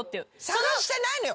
探してないの！